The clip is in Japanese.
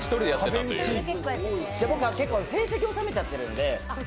僕は結構成績を収めちゃってるんで。